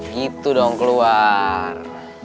gitu dong keluar